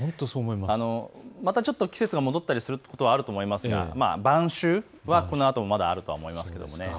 またちょっと季節が戻ったりすることはあると思いますが晩秋はこのあともまだあると思います。